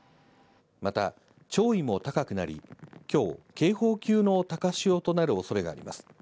また、潮位も高くなり、きょう警報級の高潮となるおそれがあります。